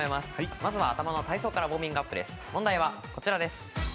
まずは頭の体操からウォーミングアップです。